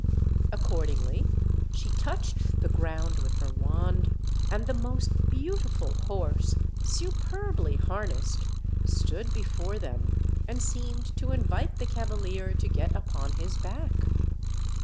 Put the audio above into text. Accordingly, she touched the ground with her wand, and the most beautiful horse, superbly harnessed, stood before them, and seemed to invite the cavalier to get upon his back.